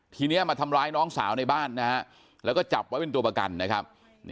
ทีนี้มาทำร้ายน้องสาวในบ้านนะฮะแล้วก็จับไว้เป็นตัวประกันนะครับ